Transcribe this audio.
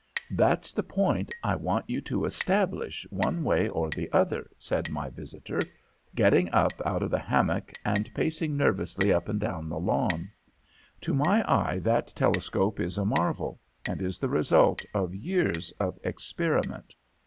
"'That's the point I want you to establish one way or the other,' said my visitor, getting up out of the hammock, and pacing nervously up and down the lawn. 'To my eye that telescope is a marvel, and is the result of years of experiment.